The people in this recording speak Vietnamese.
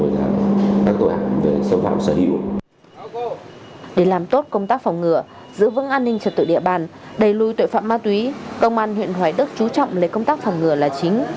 để làm tốt công tác phòng ngừa giữ vững an ninh trật tự địa bàn đẩy lùi tội phạm ma túy công an huyện hoài đức chú trọng lấy công tác phòng ngừa là chính